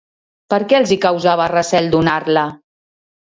Per què els hi causava recel donar-la?